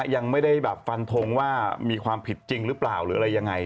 ยังไม่ได้แบบฟันทงว่ามีความผิดจริงหรือเปล่าหรืออะไรยังไง